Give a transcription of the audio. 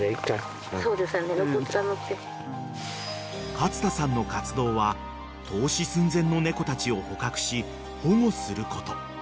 ［勝田さんの活動は凍死寸前の猫たちを捕獲し保護すること］